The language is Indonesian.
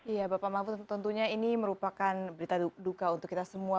iya bapak mahfud tentunya ini merupakan berita duka untuk kita semua